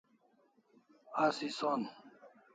Asi son